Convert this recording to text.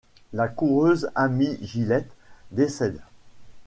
La coureuse Amy Gillett décède.